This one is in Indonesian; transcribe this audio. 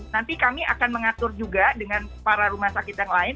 nanti kami akan mengatur juga dengan para rumah sakit yang lain